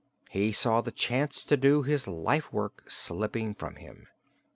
He saw the chance to do his life work slipping from him.